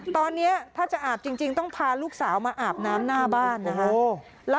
ตอนนี้ถ้าจะอาบจริงต้องพาลูกสาวมาอาบน้ำหน้าบ้านนะคะ